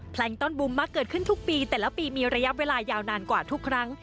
ลงต้อนบุมมักเกิดขึ้นทุกปีแต่ละปีมีระยะเวลายาวนานกว่าทุกครั้ง